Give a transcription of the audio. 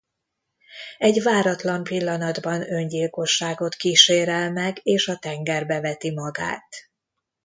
Egy váratlan pillanatban öngyilkosságot kísérel meg és a tengerbe veti magát.